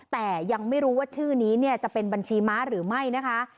แต่ยังไม่รู้ว่าชื่อนี้เนี่ยจะเป็นบัญชีม้าหรือไม่นะคะ